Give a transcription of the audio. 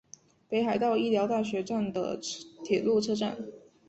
北海道医疗大学站的铁路车站。